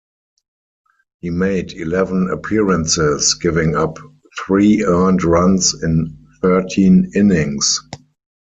He made eleven appearances, giving up three earned runs in thirteen innings.